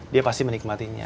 dia pasti menikmatinya